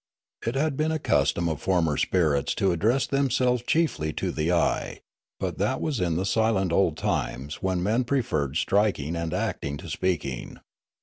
It had been a custom of former spirits to address themselves chiefly to the eye ; but that was in the silent old times when men preferred striking and acting to speaking.